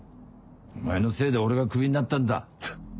お前のせいで俺がクビになったんだ。